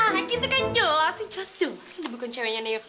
nah itu kan jelas jelas dia bukan ceweknya neo